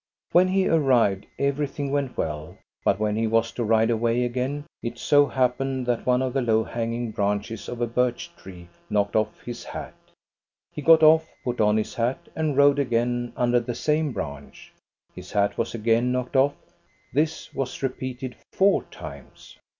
When he arrived everything went well, but when he was to ride away again it so happened that one of the low hanging branches of a birch tree knocked off his hat. He got off, put on his hat, and rode again under the same branch. His hat was again knocked off; this was repeated four times.